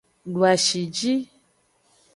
Doashi ji.